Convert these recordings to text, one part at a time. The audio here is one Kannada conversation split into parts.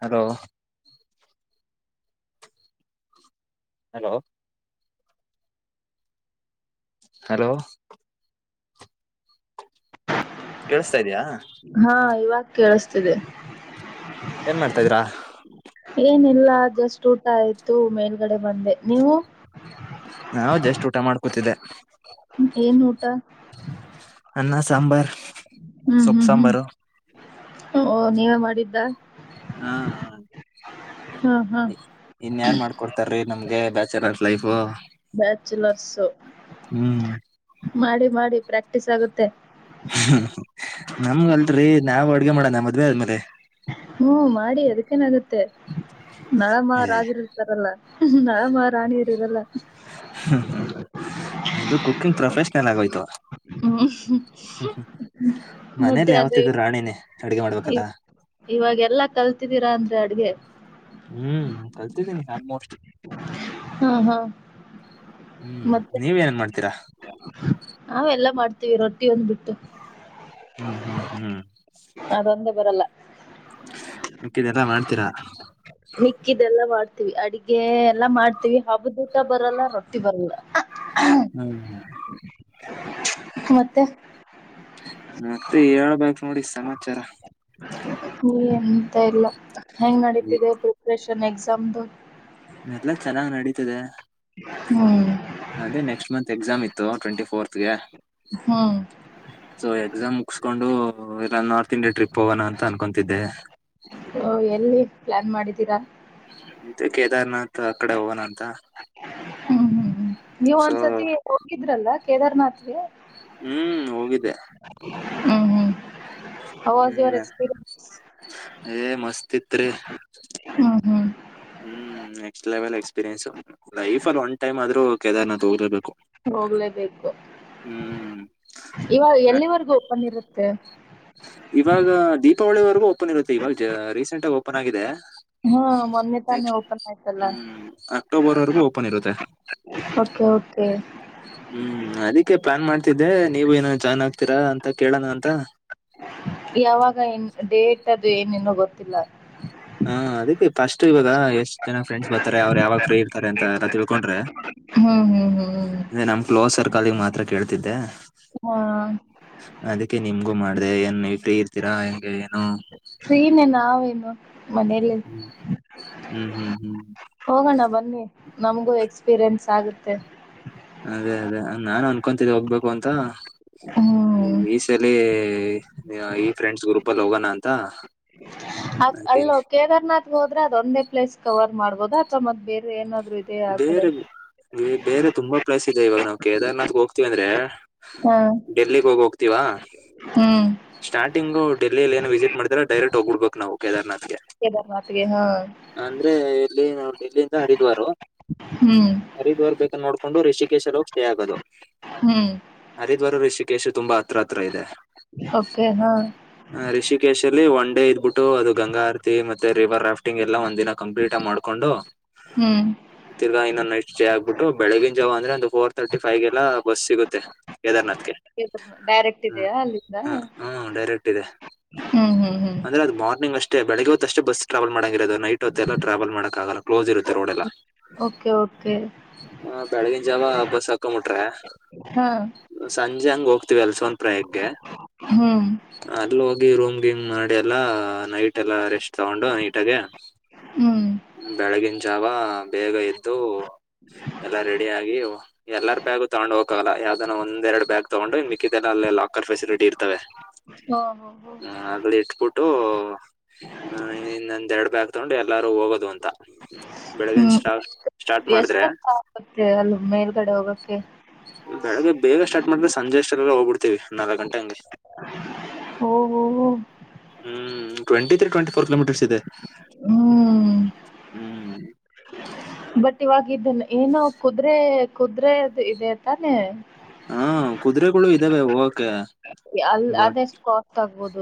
ಹಲೋ ಹಲೋ ಹಲೋ ಕೆಸ ಹಾ ಇವಾಗ ಕೇಳಿಸ್ತಿದೆ ಏನ್ ಮಾಡ್ತಾ ಇದೀರಾ ಏನ ಇಲ್ಲ ಜಸ್ಟ್ ಊಟ ಆಯ್ತು ಮೇಲ್ಗಡೆ ಬಂದೆ ನೀವು ನಾ ಜಷ್ಟ್ ಊಟ ಮಾಡ್ಕೊತಿದ್ದೆ ಏನ್ ಊಟ ಅನ್ನ ಸಾಂಬಾರ್ ಹ್ಮ್ ಹ್ಮ್ ಸೊಪ್ಪು ಹ್ಮ್ ಸಾಂಬಾರು ಓ ನೀವೇ ಮಾಡಿದ್ದ. ಹಾ ಹ ಹ್ಮ್ ಹ್ಮ್ ಇ ಇನ್ಯಾರ್ ಮಾಡ್ಕೊಡ್ತಾರ್ರೀ ನಮ್ಗೆ ಬ್ಯಾಚುಲ ಲೈಫು ಬ್ಯಾಚುಲರ್ಸು ಹ್ಮ್ ಮಾಡಿ ಮಾಡಿ ಪ್ರಾಕ್ಟಿಸ್ ಆಗುತ್ತೆ. ಹ್ಮ ನಮ್ಗ ಅಲ್ರಿ ನಾವ್ ಅಡ್ಗೆ ಮಾಡಣ ಮದ್ವೆ ಆದ್ಮೇಲೆ. ಹ್ಮ ಮಾಡಿ ಅದಕ್ಕೇನ್ ಆಗತ್ತೆ ನಳಮ ರಾಜರ ಇರ್ತಾರಲ್ಲ ನಾ ಮ ರಾಣಿಯರ ಇರಲ್ಲ. ಚೆನ್ನಾಗ್ ಹೋಯ್ತು. ಹ್ಮ್. ಹ್ಮ್ ಹ್ಮ್ ಮನೇಲ ಮತ್ತೆ ಯಾವತ್ತಿದ್ರು ರಾಣನೇ ಅಡಗೆ ಮಾಡ್ಬೇಕಲ್ಲ. ಇವಾಗೆಲ್ಲಾ ಕಲ್ತಿದ್ದೀರಾ ಅಂದ್ರೆ ಅಡ್ಗೆ. ಹ್ಮ್ ಕಲ್ತಿದ್ದೀನಿ ಆಲ್ಮೋಸ್ಟ್. ಹಾ ಹಾ ಹ್ಮ್ ನೀವ ಏನನ್ ಮಾಡ್ತೀರಾ. ನಾವ್ ಎಲ್ಲಾ ಮಾಡ್ತೀವಿ ರೊಟ್ಟಿ ಒಂದ್ಬಿಟ್ಟು. ಹ್ಮ್ ಹ್ಮ್ ಹ್ಮ್ ಅದೊಂದೇ ಬರಲ್ಲ ಮಿಕ್ಕಿದೆಲ್ಲ ಮಾಡ್ತೀರಾ. ಮಿಕ್ಕಿದೆಲ್ಲ ಮಾಡ್ತೀವಿ ಅಡಗೆ ಎಲ್ಲಾ ಮಾಡ್ತೀವಿ ಹಬ್ಬದೂಟ ಬರಲ್ಲ ರೊಟ್ಟಿ ಬರಲ್ಲ ಹ್ಮ್ ಹ್ಮ ಮತ್ತೆ ಮತ್ತೆ ಹೇಳ್ಬೇಕ ನೋಡಿ ಸಮಾಚಾರ. ನೀ ಎಂತ ಇಲ್ಲ ಹೆಂಗ್ ನಡೀತಿದೆ ಪ್ರಿಪ್ರೇಷನ್ ಎಕ್ಸಾಮ್ದು. ಎಲ್ಲ ಚೆನ್ನಾಗ್ ನಡೀತದೆ ಹ್ಮ್ ಅದೆ ನೆಕ್ಸ್ಟ್ ಮಂತ್ ಎಕ್ಸಾಮ್ ಇತ್ ಇತ್ತು ಟ್ವೆಂಟಿ ಫೋರ್ತ್ ಗೆ. ಹ್ಮ್ ಸೊ ಎಕ್ಸಾಮ್ ಮುಗಸ್ಕೊಂಡು ಎಲ್ಲ ನಾರ್ತ್ ಇಂಡಿಯಾ ಟ್ರಿಪ್ ಹೋಗನ ಅಂತ್ ಅನ್ಕೊತಿದ್ದೆ. ಓ ಎಲ್ಲಿ ಪ್ಲಾನ್ ಮಾಡಿದ್ದೀರಾ. ಇದೆ ಕೇದಾರ್ನಾಥ್ ಆ ಕಡೆ ಹೋಗಣ ಅಂತ. ಹ್ಮ್ ಹ್ಮ್ ಹ್ಮ್ ನೀವ್ ಸೊ ಒಂದ್ಸತಿ ಹೋಗಿದ್ರಲ್ಲ ಕೇದಾರ್ನಾಥ್ಗೆ. ಹ್ಮ್ ಹೋಗಿದ್ದೆ. ಹ್ಮ್ ಹ್ಮ್ how was your hmm experience. ಏ ಮಸ್ತ್ ಇತ್ರಿ ಹ್ಮ್ ಹ್ಮ್ ಹ್ಮ್ ನೆಕ್ಸ್ಟ್ ಲೆವೆಲ್ ಎಕ್ಪೀರಿಯನ್ಸ್ ಲೈಫ ಅಲ್ಲಿ ಒನ್ ಟೈಮ್ ಆದ್ರೂ ಕದಾರ್ನಾಥ್ ಹೋಗ್ಲೇಬೇಕ. ಹೋಗ್ಲೇಬೇಕು ಹ್ಮ್ ಇವಾಗ ಎಲ್ಲಿವರ್ಗೂ ಓಪನ್ ಇರುತ್ತೆ. ಇವಾಗ ದೀಪಾವಳಿವರೆಗೂ ಓಪನ್ ಇರುತ್ತೆ ಇವಾಗ ಜ ರೀಸೆಂಟ್ ಆಗಿ ಓಪನ್ ಆಗಿದೆ. ಹಾ ಮೊನ್ನೆ ತಾನೇ ನೆಕ್ಸ್ಟ್ ಓಪನ್ ಆಯ್ತಲ್ಲ. ಹ್ಮ್ ಅಕ್ಟೋಬರ್ ವರೆಗೂ ಓಪನ್ ಇರುತ್ತೆ ಓಕೆ ಓಕೆ. ಹ್ಮ್ ಅದಿಕ್ಕೆ ಪ್ಲಾನ್ ಮಾಡ್ತಿದ್ದೆ ನೀವು ಏನ ಜಾಯ್ನ್ ಆಗ್ತೀರಾ ಅಂತ ಕೇಳೋಣ ಅಂತ ಯಾವಾಗ ಇನ್ ಡೇಟ್ ಅದು ಏನೇನೋ ಗೊತ್ತಿಲ್ಲ. ಹಾ ಅದಿಕ್ಕೆ ಫಸ್ಟ್ ಇವಾಗ ಎಷ್ಟ್ ಜನ ಫ್ರೆಂಡ್ಸ್ ಬರ್ತಾರೆ ಅವ್ರ ಯಾವಾಗ ಫ್ರೀ ಇರ್ತಾರೆ ಅಂತ ಎಲ್ಲ ತಿಳ್ಕೊಂಡ್ರೆ. ಹ್ಮ್ ಹ್ಮ್ ಹ್ಮ್ ಅದೆ ನಮ್ ಕ್ಲೋಸ್ ಸರ್ಕಲಿಗ್ ಮಾತ್ರ ಕೇಳ್ತಿದ್ದೆ. ಹಾ ಅದಿಕ್ಕೆ ನಿಮ್ಗೂ ಮಾಡ್ದೆ ಏನ್ ಹೇಳ್ ನೀವ್ ಫ್ರೀ ಇರ್ತೀರಾ ಹೆಂಗೆ ಏನು. ಫ್ರೀನೆ ನಾವೇನು ಮನೇಲಿ ಹ್ಮ್ ಹ್ಮ್ ಹ್ಮ್ ಹ್ಮ್ ಹೋಗಣ ಬನ್ನಿ. ನಮಗೂ ಎಕ್ಸ್ಪೀರಿಯನ್ಸ್ ಆಗತ್ತೆ. ಅದೇ ಅದೇ ನಾನು ಅನ್ಕೊತಿದ್ದೆ ಹೋಗ್ಬೇಕು ಅಂತ ಹ್ಮ್ ಈ ಸಲಿ. ಈ ಆ ಈ ಫ್ರೆಂಡ್ಸ್ ಗ್ರೂಪ್ ಅಲ್ಲಿ ಹೋಗಣ ಅಂತ. ಅ ಅಲ್ಲೋ ಅದೇನೆ ಕೇದಾರ್ನಾಥ್ಗ ಹೋದ್ರೆ ಅದೊಂದೇ ಪ್ಲೇಸ್ ಕವರ್ ಮಾಡಬೋದ ಅಥವಾ ಮತ್ ಬೇರೆ ಏನಾದ್ರ ಬೇರೆ ಬೆ ಬೇರೆ ತುಂಬಾ ಪ್ಲೇಸ್ ಇದೆ ಇವಾಗ ನಾವು ಕೇದಾರ್ನಾಥ್ ಹೋಗ್ತಿವಿ ಅಂದ್ರೆ. ಹಾ ಡೆಲ್ಲಿಗ ಹೋಗ ಹೋಗ್ತೀವಾ. ಹ್ಮ್ ಸ್ಟಾರ್ಟಿಂಗ್ ಡೆಲ್ಲಿಲ್ಲಿ ಏನು ವಿಸಿಟ್ ಮಾಡ್ತಾರ ಡೈರೆಕ್ಟ್ ಹೋಗ್ಬಿಡ್ಬೇಕು. ನಾವು ಕೇದಾರ್ನಾಥ್ಗೆ ಕೇದಾರ್ನಾಥ್ಗೆ ಹಾ ಅಂದ್ರೆ ಎಲ್ಲಿ ನೋ [unintelligible] ಇಲ್ಲಿಂದ ಹರಿದ್ವಾರ, ಹ್ಮ್ ಹರಿದ್ವಾರ್ ಬೇಕ ನೋಡಕೊಂಡು ರಿಷಿ ಷಿಕೇಶಗೆ ಸ್ಟೇ ಆಗೋದು ಹ್ಮ್ ಹರಿದ್ವಾರ ಋಷಿಕೇಶ ತುಂಬಾ ಹತ್ರತ್ರ ಇದೆ. ಓಕೆ ಹಾ ಹ ರಿಷಿಕೇಶ್ ಅಲ್ಲಿ ಒನ್ ಡೇ ಇದ್ಬಿಟ್ಟು ಅದು ಗಂಗಾ ಆರತಿ ಮತ್ತೆ ಮತ್ತೆ ರಿವರ್ ರಾಫ್ಟಿಂಗ್ ಎಲ್ಲ ಒಂದ ದಿನ ಕಂಪ್ಲೀಟ್ ಆ ಮಾಡ್ಕೊಂಡು. ಹ್ಮ್, ತಿರ್ಗಾ ಇನ್ನೊಂದು ನೈಟ್ ಸ್ಟೇ ಆಗ್ಬಿಟ್ಟು. ಬೆಳಿಗಿನ ಜಾವ ಅಂದ್ರೆ ಒಂದು ಫೋರ್ ತರ್ಟಿ ಫೈಗೆ ಎಲ್ಲ ಬಸ್ ಸಿಗುತ್ತೆ. ಯದಾರ್ನಾಥ್ ಡೈರೆಕ್ಟ್ ಇದೆಯಾ ಅಲ್ಲಿಂದ. ದೆ, ಹ್ಮ್ ಹ್ಮ್ ಹ್ಮ್ ಅಂದ್ರೆ ಅದು ಮಾರ್ನಿಂಗ್ ಅಷ್ಟೇ ಬೆಳಗ್ ಹೊತ್ತುಷ್ಟ ಬಸ್ ಟ್ರಾವಲ್ ಮಾಡಂಗಿರೋದು. ನೈಟ್ ಹೊತ್ತ ಎಲ್ಲಾ ಟ್ರಾವೆಲ್ ಮಾಡಕ ಆಗಲ್ಲ ಕಲೋಸ್ ಇರುತ್ತೆ ರೋಡ್ಲೇಲ್ಲಾ. ಓಕೆ ಓಕೆ ಹ ಬೆಳಗಿನ ಜಾವ ಬಸ್ ಹಾಕೊಂಬಿಟ್ರೆ, ಹಾ [inaudible] ಸಂಜೆ ಹಂಗ ಹೋಗ್ತಿವಿ ಅಲ್ಸೊನ್ ಪ್ರಯಕೆ ಹ್ಮ್ ಅಲ್ ಹಿ ರೂಮ್, ಹಿಂಗ್ ಮಾಡಿ ಎಲ್ಲಾ ನೈಟ್ ಎಲ್ಲಾ ರೆಸ್ಟ್, ತಗೊಂಡು ನೀಟಾಗೆ ಹ್ಮ್ ಬೆಳಗಿನ ಜಾವ ಬೇಗ ಎದ್ದು ಎಲ್ಲಾ ರೆಡಿ ಆಗಿ ಎಲ್ಲಾರ ಬ್ಯಾಗು ತಗೊಂಡ್ ಹೋಗಕಾಗಲ್ಲ. ಯಾವ ನ ಒಂದೆರಡು ಬ್ಯಾಗ್ ತಗೊಂಡ್ರೆ ಮಿಕ್ಕದೇಲ್ಲೇ ಲಾಕರ್ ಫೆಸಿಲಿಟಿ ಇರ್ತವೆ. ಹಾ ಹಾ ಹಾ ಹ ಆಗ್ಲಿ ಇಟ್ಬಿಟ್ಟು ಇನ್ನಂದೆರಡ್ ಬಾಗ ತೊಗಂಡು ಎಲ್ಲಾರು ಹೋಗೋದು ಅಂತ. ಬೆಳಗಿನ ಸ್ಟಾರ್ಟ್ ಸ್ಟಾರ್ಟ್ ಮಾಡಿದ್ರೆ ಎಷ್ಟೋತ್ತೆ ಅಗತ್ಲ್ ಮೇಲ್ಗಡೆ ಹೋಗಕ್ಕೆ. ಬೆಳಗ್ಗೆ ಬೇಗ ಸ್ಟಾರ್ಟ್ ಮಾಡ್ರೆಸಂಜೆ ಅಷ್ಟಲ್ಲಿ ಹೋಗ್ಬಿಡ್ತೇವಿ ನಾಲ್ಕ್ ಗಂಟೆ ಹಂಗೆ. ಹೋ [unintelligible] ಹ್ಮ್ twenty three twenty four kilometres ಇದೆ. ಹ್ಮ್ ಹ್ಮ್ ಬಟ್ ಇವಾಗ ಇದ ಏನೋ ಕುದುರೆೆ -ಕುದುರೆದು ಇದೆ ತಾನೆ. ಹಾ, ಕುದುರೆೆಗಳು ಇದ್ದಾವೆ ಹೋಗಕೆ. ಅ ಅದೆಷ್ಟು ಕಾಸ್ಟ್ ಆಗ್ಬೋದು.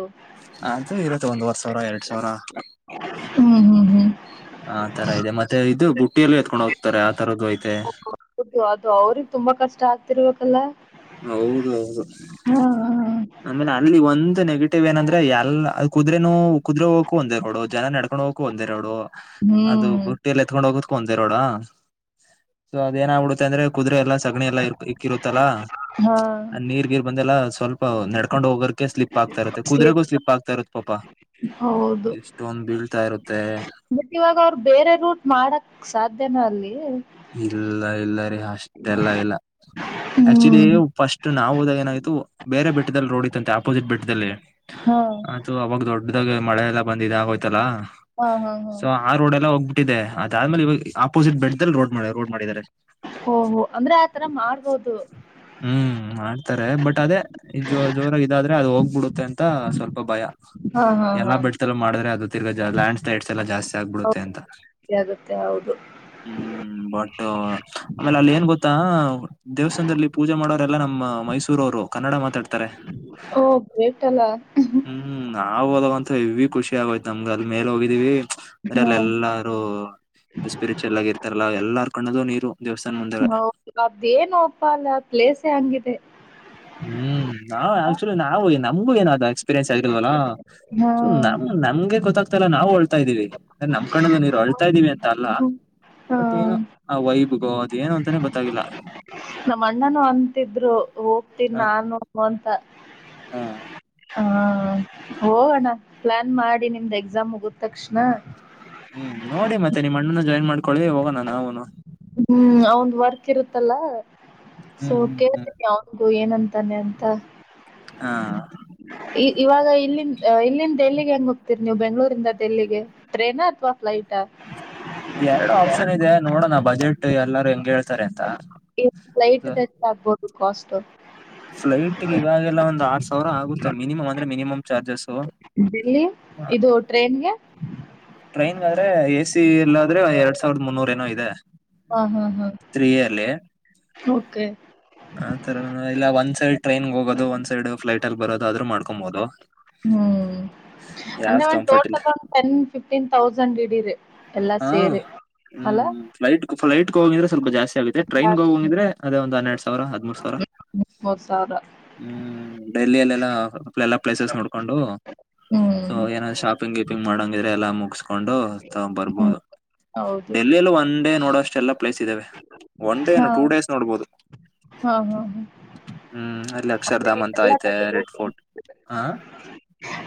ಆದ್ರು ಇರುತ್ತೆ ಒಂದುವರ್ ಸಾವಿರ, ಎರಡ್ ಸಾವಿರ ಹ್ಮ್ ಹ್ಮ್ ಹ್ಮ್ ಆ ತರ ಇದೆ ಮತ್ತೆ ಇದು ಬುಟ್ಟಿಯಲ್ಲಿ ಎತ್ಕೊಂಡ್ ಹೋಗ್ತಾರೆ. ಆ ತರದ್ದು ಐತೆ ಹದು [unintelligible] ಅದು ಅವ್ರಗ್ ತುಂಬಾ ಕಷ್ಟ ಆಗ್ತಿರ್ಬೇಕಲ್ಲಾ, ಹೌದು, ಹೌದು ಆಮೇಲೆ ಅಲ್ಲಿ ಒಂದು ದು ನೆಗೆಟಿವ್ ಏನಂದ್ರ ಎಲ್ಲಾ ಅ ಕುದು್ರೇನು, ಕುದು್ರೆ ಹೋಗಕು ಒಂದೆರೋಡು. ಜನ ನಡ್ಕೊಂಡ್ ಹೋಗಕು ಒಂದೆರೋಡು. ಅದು ಹ್ಮ್ ಬುಟ್ಟಿಯಲ್ಲಿ ಎತ್ಕೊಂಡ್ ಹೋಗಕು ಒಂದೆರೋಡ. ಸೊ ಅದೇಏನ ಆಗ್ಬಿಡುತ್ತೆ ಅಂದ್ರೆ ಕುದುರೆೆ ಎಲ್ಲಾ ಸಗಣಿ ಎಲ್ಲ ಇಕ್ಕಿರುತ್ತಲ್ಲಾ. ಹ್ಮ [inaudible] ನೀರ್- ಗಿರ್ ಬಂದೆಲ್ಲ ಸ್ವಲ್ಪ ನಡ್ಕೊಂಡ್ ಹೋಗರಿಕೆ ಸ್ಲಿಪ್ ಆಗ್ತಾ ಇರುತ್ತೆ. ಕುದುರೆಗೂ ಸ್ಲಿಪ್ ಆಗ್ತಾ ಇರುತ್ತ ಪಾಪಾ. ಹೌದು ಎಷ್ಟೊಂದ ಬೀಳ್ತಾ ಇರುತ್ತೆ [unintelligible] ಬಟ್ ಇವಾಗ, ಅವ್ರರು ಬೇರೆ ರೂಟ್ ಮಾಡಕ್ ಸಾಧ್ಯನ ಅಲ್ಲಿ, ಇಲ್ಲ, ಇಲ್ಲ ರಿ ಹ ಅಷ್ಟೇಲ್ಲ ಇಲ್ಲ ಆಕ್ಚುಲಿ ಹ್ಮ್ ಫಸ್ಟ್ ನಾವು ಹೋದಾಗ ಏನಾಯ್ತು ಬೇರೆ ಬೆಟ್ಟದಲ್ಲಿ ರೋಡ್ ಇತ್ತಂತೆ. ಆಪೋಸಿಟ್ ಬೆಟ್ಟದಲ್ಲಿ ಹಾ ಅದು ಅವಾಗ ದೊಡ್ಡ ಡಾಗ ಮಳೆ ಎಲ್ಲ ಬಂದಿದೆ ಇದಾಯ್ತಿಲ್ಲ ಹಾ ಹಾ ಹಾ ಸೊ ಆ ರೋಡ್ ಎಲ್ಲ ಹೋಗ್ಬಿ ಟ್ಟ ಇದೆ ಅದಾದ್ಮೇಲೆ ಇಗ ಆಪೋಸಿಟ್ ಬೆಡಲ್ಲಿ ರೋಡ್- ರೋಡ್ ಮಾಡಿದ್ದಾರೆ. ಓಹೋ, ಅಂದ್ರೆ ಆತರ ಮಾಡ್ಬೋದು. ಹ್ಮ್, ಮಾಡ್ತಾರೆ ಬಟ್ ಅದೇ ಈಜೋರಾಗ ಇದಾದ್ರೆ ಅದು ಹೋಗ್ಬಿಡುತ್ತೆ ಅಂತ ಸ್ವಲ್ಪ ಭಯ. ಹಾ ಹಾ ಹಾ ಎಲ್ಲಾ ಬೆಟ್ದಲ್ಲಿಮಾಡಿದ್ರೆ ಅದು ತಿರ್ಗ ಲ್ಯಾಂಡ್ ಸ್ಲೈಡ್ಸ್ ಎಲ್ಲ ಜಾಸ್ತಿ ಆಗ್ಬಿಡುತ್ತೆ ಹೌದು ಅಂತ. ಸರಿ ಆಗುತ್ತೆ ಹೌದು ಹ್ಮ್, ಬಟ್ ಆಮೇಲೆ ಅಲ್ಲಿ ಏನ್ ಗೊತ್ತಾ ದೇವಸ್ಥಾನದಲ್ಲಿ ಪೂಜೆ ಮಾಡೋರೆಲ್ಲಾ ನಮ್ಮ್ ಮೈಸೂರ ಅವರು ಕನ್ನಡ ಮಾತಾಡ್ತಾರೆ. ಒ ಬತಲ್ಲ ನಾವು ಹದೋಗ ಅಂತ ಇವಿ ಖುಷಿ ಆಗಯತ್ ನಮ್ಗೆ ಅಲ್ಲಿ ಮೇಲೆ ಹೋಗಿದಿವಿ ಅ್ರಲ್ಲ ಹ್ಮ್ ಎಲ್ಲಾರು ಸ್ಪಿರಿಚಲ್ ಆಗಿ ಇರ್ತಾರಲ್ಲ ಎಲ್ಲಾರ್ ಕಣ್ಣಲು ನೀರು ದೇವಸ್ಥಾನ ಮುಂದೆಲ್ಲ ಹೌದು ಅದೇನು ಅಪ್ಪ ಅಲ್ಲ ಪ್ಲೇಸ್ ಹಂಗಿದೆ. ಹ್ಮ್ ನಾವ ಆಕ್ಚುಲಿ ನಾವು ನಮಗು ಏನದ ಎಕ್ಸ್ಪೀರಿಯನ್ಸ್ ಆಗಲ್ವಲ್ಲ ಹಾ ನಮ್ ನಮಗೆ ಗೊತ್ತಾಗ ಲ್ಲ ನಾವು ಅಳ್ತಾ ಇದೀವಿ ನಮ್ಮ ಕಣ್ಣಲ್ಲ ನೀರು ಅಳ್ತಾ ಇದ್ದೀವಿ ಅಂತ ಅಲ್ಲಾ ಹ್ಮ್. ಹಾ ಬತ್ತ ಏನು ಆ ವೈಭಗೊ ನಮ್ಮ ಅಣ್ಣನ ಅಂತಿದ್ರು ಹೋಗ್ತೀನಿ ನಾನು ಅಂತ ಹಾ ಹ ಹೋಗಣ ಪ್ಲಾನ್ ಮಾಡಿ ನಿಮ್ದ ಎಕ್ಸಾಮ್ ಮುಗದ ತಕ್ಷಣ. ಹ್ಮ್ ನೋಡಿ ಮತ್ತೆ ನಿಮ್ಮ ಅಣ್ಣನ್ನ ಜಾಯಿನ್ ಮಾಡ್ಕೊಳ್ಳಿ ಹೋಗೋಣ ನಾವುನು ಹ್ಮ್ ಅವಂದ್ ವರ್ಕ್ ಇರುತ್ತಲ್ಲ ಸೊ ಹ್ಮ್ ಹ್ಮ್ ಹ್ಮ್ ಕೇಳ್ತೀನಿ ಅವನ್ಗು ಏನಂತ್ [unintelligible] ಹಾ ಇವಾಗ ಇಲ್ಲಿಂದ ಇಲ್ಲಿಂದ ಡೆಲ್ಲಿಗೆ ಹೆಂಗ ಹೋಗ್ತೀರಿ ನೀವು ಬೆಂಗಳೂರಿಂದ ಡೆಲ್ಲಿಗೆ ಟ್ರೇನಾ ಪ್ಲೈಟ್ ಎರಡು ಆಪ್ಷನ್ ಇದೆ ನೋಡೋಣ ಬಜೆಟ್ ಎಲ್ಲಾರೂ ಹೆಂಗ ಹೇಳ್ತ ಪ್ಲೈಟ್ ದ ಎಷ್ಟ ಆಗ್ಬೋದು ಕಾಸ್ಟ್ ಪ್ಲೈಟಗೆ ಇವಾಗೆಲ್ಲ ಒಂದು ಆರ್ ಸಾವಿರ ಆಗುತ್ತೆ ಮಿನಿಮಮ್ ಅಂದ್ರೆ ಮಿನಿಮಮ್ ಚಾರ್ಜಸ್ ಡೆಲ್ಲಿ ಇದು ಟ್ರೈನ್ಗೆ ಟ್ರೈನ್ಗೆ ಆದ್ರೆ ಎ ಸಿ ಇಲ್ಲಾದ್ರೆ ಎರಡ್ ಸಾವಿರದ ಮುನ್ನೂರ ಏನೋ ಇದೆ. ಹಾ ಹಾ ಸ್ತ್ರೀಯಲ್ಲಿ ಹ ಆ ತರ ಇಲ್ಲ ಒಂದ್ ಸೈಡ್ ಟ್ರೈನ್ ಹೋಗೋದು ಒಂದ ಸೈಡ್ ಪ್ಲೈಟ್ಲಿ ಬರೋದು ಆದ್ರೂ ಮಾಡ್ಕೊಬಹದು. ಹ್ಮ್ ಅಂದ್ರೆ ಒಂದ್ ಕಂಫರ್ಟ್ ಇಲ್ಲ ಟೋಟಲ್ ಟೆನ್ ಫಿಫ್ಟೀನ್ ಥೌಸಂಡ್ ಹಿಡೀರಿ ಎಲ್ಲಾ ಹಾ ಸೇರಿ ಹ್ಮ್ ಅಲ್ಲ ಹ್ಮ ಪ್ಲೈಟ್ ಪ್ಲೈಟ್ಗೆ ಹೋಗಿದ್ರೆ ಸ್ವಲ್ಪ ಜಾಸ್ತಿ ಆಗುತ್ತ ಟ್ರೈನ್ಗೆ ಹೋಗಗಿದ್ರೆ ಒಂದ ಹನ್ನರಡ್ ಸಾವ ಸಾವಿರ ಹದಮೂರು ಸಾವಿರ ಮೂವತ್ ಸಾವಿರ ಹ್ಮ ಡೆಲ್ಲಿಲ್ಲಲ್ಲ ಪ್ಲೇಸಸ್ ನೋಡ್ಕೊಂಡು ಸೊ ಹ್ಮ್ ಏನಾದ್ರೂ ಶಾಪಿಂಗ್ ಗಿಪಿಂಗ್ ಮಾಡೋಂಗಿದ್ರೆ ಎಲ್ಲ ಮುಗಸಿ ಕಕೊಂಡು ಹ್ಮ್ ತೊಂಬರ್ಬಹುದು ಹೌದು ಡೆಲ್ಲಿಲ್ಲಿ ಒಂದ ಡೇ ನೋಡೋಷ್ಟ ಎಲ್ಲ ಪ್ಲೇಸ್ ಇದಾವೆ ಒನ್ ಡೇನು ಹಾ ಟೂ ಡೇಸ್ ನೋಡ್ಬಹದು. ಹಾ ಹಾ ಹಾ ಹ್ಮ್ ಅಲ್ಲಿ ಅಂದ್ರೆ ಅಕ್ಷರಧಾಮ್ ನೀವ್ ಅಂತ ಎಲ್ಲಾ ಐತೆ ಕಡೆ ರೆಡ್ ಹೋಗ್ ಫೋರ್ಟ್ ಹ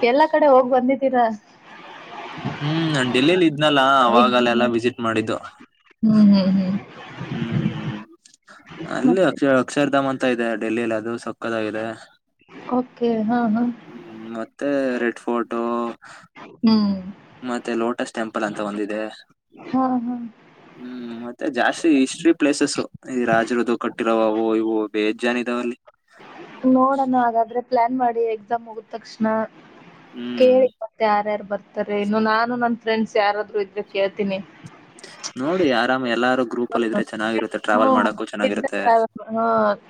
ಎಲ್ಲಾ ಕಡೆ ಹೋಗಿ ಬಂದಿದ್ದೀರಾ. ಹ್ಮ್ ನ ಡೆಲ್ಲಿಲಿ ಇದ್ನಲ್ಲ ಹ್ಮ್ ಅವಾಗಲ್ಲಲ್ಲ ವಿಸಿಟ್ ಮಾಡಿದ್ದು ಹ್ಮ್ ಹ್ಮ್ ಹ್ಮ್ ಅಲ್ಲಿ ಮತ್ತೆ ಅಕ್ಷ ಅಕ್ಷರಧಾಮ್ ಅಂತ ಇದೆ ಡೆಲ್ಲಿಲಿ ಅದು ಸಕ್ಕದಾಗಿದೆ ಓಕೆ ಹಾ ಹಾ ಹ್ಮ್ ಮತ್ತೆ ರೆಡ್ ಫೋಟೋ ಹ್ಮ್ ಮತ್ತೆ ಲೋಟಸ್ ಟೆಂಪಲ್ ಅಂತ ಒಂದಿದೆ. ಹಾ ಹಾ ಹ್ಮ್ ಮತ್ತೆ ಜಾಸ್ತಿ ಹಿಸ್ಟರಿ ಪ್ಲೇಸಸ್ಸು ಈ ರಾಜರುದುು ಕಟ್ಟಿರೋವು ಅವು ಇವು ಬೇಜ್ ಜಾನ್ ಇದಾವ ಅಲ್ಲಿ. ನೋಡೋಣ ಹಾಗಾದ್ರೆ ಪ್ಲಾನ್ ಮಾಡಿ ಎಕ್ಸಾಮ್ ಮುಗದ ತಕ್ಷಣ ಹ್ಮ್ ಕೇಳಿ ಫಸ್ಟ್ ಯಾರ್ಯಾರ ಬರ್ ತಾರೆ ಇನ್ನು ನಾನು ನನ್ ಫ್ರೆಂಡ್ಸ್ ಯಾರಾದ್ರು ಇದ್ರೆ ಕೇಳ್ತೀನಿ ನೋಡಿ ಆರಾಮ ಎಲ್ಲಾರು ಗ್ರೂಪ್ ಅಲ್ಲಿ ಇದ್ರೆ ಚೆನ್ನಾಗಿ ಹ್ಮ ಹ ಗ್ರೂಪ್ ಇದ್ರೆ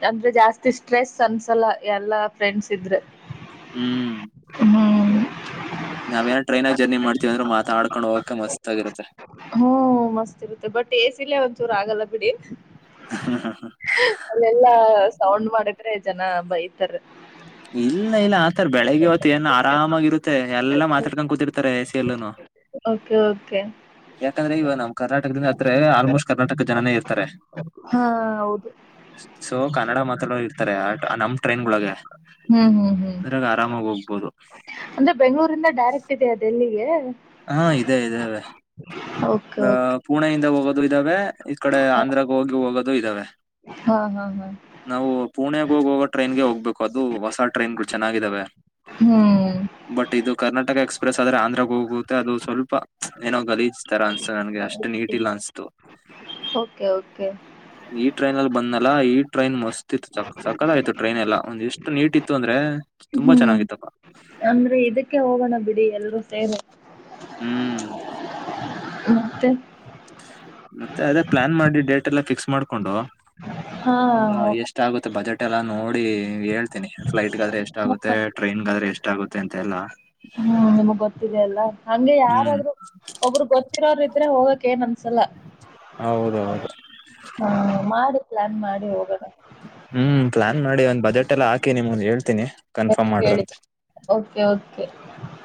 ಅಂದ್ರೆ ಜಾಸ್ತಿ ಸ್ಟ್ರೆಸ್ ಅನ್ಸಲ್ಲ ಎಲ್ಲಾ ಫ್ರೆಂಡ್ಸ್ ಇದ್ರೆ ಹ್ಮ್ ನಾವೇಏನ ಟ್ರೈನ್ಗ ಜರ್ನಿ ಮಾಡ್ತೀವ ಅಂದ್ರರು ಮಾತಾಡ್ಕೊಂಡ್ ಹೋಗಕ ಮಸ್ತ್ ಆಗಿರುತ್ತೆ. ಹ ಮಸ್ತ್ ಇರುತ್ತ ಬಟ್ ಎಶಿ ಒಂದಚೂರು ಆಗಲ್ಲ ಬಿಡಿ ಅಲ್ಲೆಲ್ಲಾ ಸೌಂಡ್ ಮಾಡಿದ್ರೆ ಜನ ಬೈತಾರ ಇಲ್ಲ ಇಲ್ಲ ಆತರ ಬೆಳಿಗ್ಗೆ ಹೊತ್ತು ಏನ್ ಆರಾಮಾಗಿರುತ್ತೆ ಎಲ್ಲಾ ಮಾತಾಡ್ಕೊಂಡ್ ಕೂತಿರ್ತಾರೆ ಎಸ ಎಲ್ಲನು ಓಕೆ ಓಕೆ ಯಾಕಂದ್ರೆ ಇವ ನಮ್ ಕರ್ನಾಟಕದಿಂದ ಹತ್ರ ಆಲ್ಮೋಸ್ಟ್ ಕರ್ನಾಟಕ ಜನನೇ ಇರ್ತಾರೆ ಹಾ ಹೌದು ಸೊ ಕನ್ನಡ ಮಾತ್ರ ಇರ್ತಾರೆ ನಮ್ ಟ್ರೆನ್ ಹ್ಮ್ ಹ್ಮ್ ಹ್ಮ್ ಅದ್ರಾಗ ಆರಾಮಾಗಿ ಹೋಗ್ಬೋದು ಅಂದ್ರೆ ಬೆಂಗ್ಗಳೂರಿಂದ ಡೈರೆಕ್ಟ್ ಇದೆಯದೆೆಲ್ಲಿಗೆ ಹಾ ಇದದೆ ಇದದೆವೆ ಓಕೆ ಓಕೆ ಪುಣೆಯಿಂದ ಹೋಗೋದು ಇದ್ದಾವೆ ಈ ಕಡೆ ಆಂಧ್ರಾಗ ಹೋಗಿ ಹೋಗೋದು ಇದ್ದಾವೆ ಹಾ ಹಾ ಹಾ ನಾವು ಪುಣಗ ಹೋಗುವಾಗ ಟ್ರೈನ್ಗೆ ಹೋಗ್ಬೇಕು ಅದು ಹೊಸ ಟ್ರೈನ್ ಗ ಚೆನ್ನಾಗಿದ್ದಾವೆ ಹ್ಮ್ ಬಟ್ ಇದು ಕರ್ನಾಟಕ ಎಕ್ಸ್ಪ ್ರಸ್ ಆದ್ರ ಆಂಧ್ರಾಗ ಹೋಗುತ್ತೆ ಅದು ಸ್ವಲ್ಪ ಏನೋ ಗಲೀತಾರ ಅನ್ಸ್ತು ನನ್ಗೆ ಅಷ್ಟು ನೀಟ್ ಇಲ್ಲ ಅಸಸ್ತು ಓಕೆ ಓಕೆ ಬಂದ್ಲ್ಲಾ ಈ ಟ್ರೈನ್ ಮಸ್ತ್ ಇತ್ತು ಸ ಸಕಲ ಆಯ್ತು ಟ್ರೈನ್ ಎಲ್ಲ ಒಂದ್ ಎಷ್ಟು ನೀಟ್ ಇತ್ತು ಅಂದ್ರೆ ತುಂಬಾ ಹ್ಮ್ ಚೆನ್ನಾಗಿತ್ತಪ್ಪ ಅಂದ್ರೆ ಇದಕ್ಕೆ ಹೋಗೋಣ ಬಿಡಿ ಎಲ್ರೂ ಸೇರೆ ಹ್ಮ್ ಮತ್ತೆ ಮತ್ತೆ ಅದೇ ಪ್ಲಾನ್ ಮಾಡಿ ಡೇಟ್ ಎಲ್ಲಾ ಫಿಕ್ಸ್ ಮಾಡ್ಕೊಂಡು ಹಾ ಒ ಹೋಗೋಣ. ಎಷ್ಟ ಆಗುತ್ತೆ ಬಜೆಟ್ ಇ ಎಲ್ಲಾ ನೋಡಿ ಹೇಳ್ತೀನಿ ಫ್ಲೈಟ್ಗಾದ್ರೆ ಎಷ್ಟಾಗುತ್ತೆ ಟ್ರೈನ್ಗಾದ್ರೆ ಎಷ್ಟ ಆಗುತ್ತೆ ಅಂತೆ ಎಲ್ಲಾ ಹ ನಿಮ್ಗ್ ಗೊತ್ತಿದ ಅಲ್ಲಾ ಹಂಗೆ ಯಾರಾದ್ರರು ಒಬ್ಬರು ಗೊತ್ತಿರೋರು ಇದ್ರೆ ಹೋಗಕ್ ಏನ್ ಅನ್ಸಲ್ಲ ಹೌ ಹ್ಮ ಮಾಡಿ ಪ್ಲಾನ್ ಮಾಡಿ ಹೋಗೋಣ ಹ್ಮ್ ಪ್ಲಾನ್ ಮಾಡಿ ಒಂದ್ ಬಜೆಟ್ ಎಲ್ಲಾ ಹಾಕಿ ನಿಮಂದ್ ಹೇಳ್ತೀನಿ ಕನ್ಫರ್ಮ್ ಹೇಳಿ ಮಾಡ್ರಂತೆ ಓಕೆ ಓಕೆ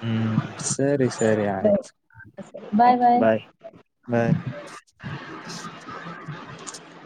ಹ್ಮ್ ಸರಿ ಸರಿ ಆಯ್ತು ಬಾಯ್ ಬಾಯ್